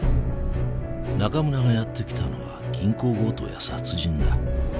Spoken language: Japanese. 中村がやってきたのは銀行強盗や殺人だ。